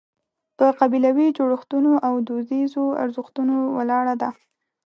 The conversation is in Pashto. په قبیلوي جوړښتونو او دودیزو ارزښتونو ولاړه ده.